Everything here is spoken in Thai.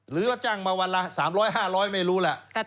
หรือว่าจ้างมาวันละ๓๐๐๕๐๐ไม่รู้แหละ